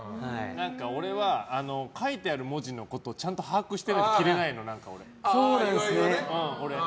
俺は書いてある文字のことをちゃんと把握してないと着れないの。